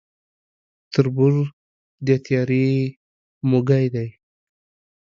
تر بور د تيارې موږى دى.